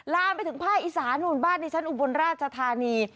ลามไปถึงภาคอีสานนู่นบ้านดิฉันอุบลราชธานี